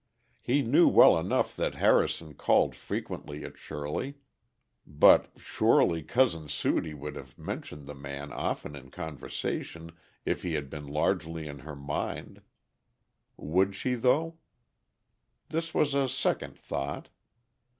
He knew well enough that Harrison called frequently at Shirley; but surely Cousin Sudie would have mentioned the man often in conversation if he had been largely in her mind. Would she though? This was a second thought.